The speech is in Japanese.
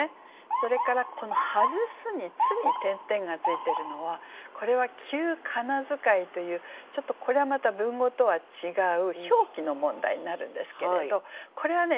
それからこの「はづす」に「つ」に点々がついてるのはこれは旧仮名遣いというちょっとこれはまた文語とは違う表記の問題になるんですけれどこれはね